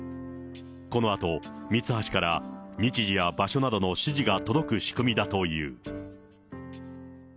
このあとミツハシから日時や場所などの指示が届く仕組みだという。